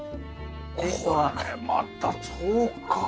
これまたそうか。